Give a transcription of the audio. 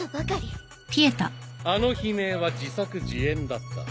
あの悲鳴は自作自演だった。